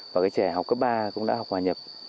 và cái trẻ học cấp ba cũng đã học hòa nhập